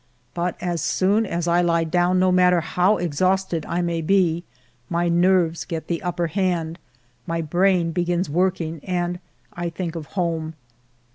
But as soon as I he down, no matter how exhausted I may be, my nerves get the upper hand, my brain begins working, and I think of home.